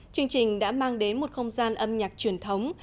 chương trình đã mang đến một không gian âm nhạc truyền thống